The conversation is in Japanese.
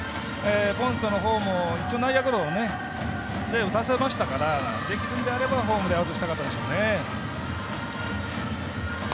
ポンセのほうも、一応内野ゴロ打たせましたからできるのであればホームでアウトにしたかったでしょうね。